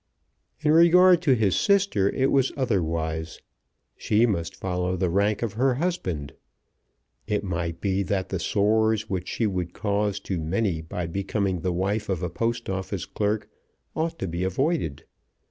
In regard to his sister it was otherwise. She must follow the rank of her husband. It might be that the sores which she would cause to many by becoming the wife of a Post Office clerk ought to be avoided.